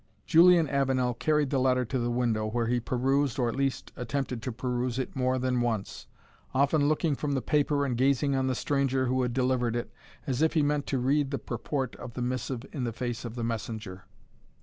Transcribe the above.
Julian Avenel carried the letter to the window, where he perused, or at least attempted to peruse it more than once, often looking from the paper and gazing on the stranger who had delivered it, as if he meant to read the purport of the missive in the face of the messenger.